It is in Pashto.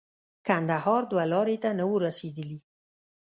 کندهار دوه لارې ته نه وو رسېدلي.